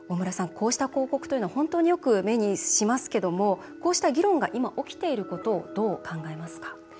こうした広告というのはよく目にしますけどもこうした議論が今、起きていることをどう考えますか？